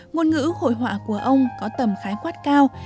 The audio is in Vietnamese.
ngôn ngữ hội họa của ông có tầm khái quát cao